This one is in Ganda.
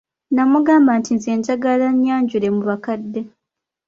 Namugamba nti nze njagala annyanjule mu bakadde.